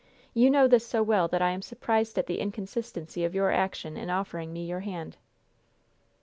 You know this so well that I am surprised at the inconsistency of your action in offering me your hand."